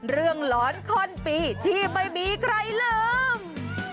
เรื่องหลอนคล่อนปีที่ไม่มีใครลืม